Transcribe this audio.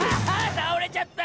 たおれちゃった！